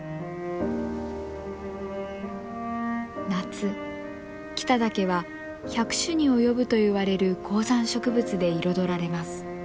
夏北岳は１００種に及ぶといわれる高山植物で彩られます。